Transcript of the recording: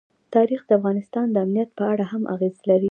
تاریخ د افغانستان د امنیت په اړه هم اغېز لري.